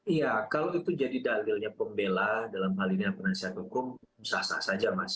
iya kalau itu jadi dalilnya pembela dalam hal ini penelitian hukum sasar saja mas